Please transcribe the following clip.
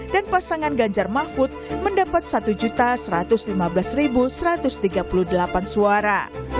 dan pasangan ganjar mahfud mendapat satu satu ratus lima belas satu ratus tiga puluh delapan suara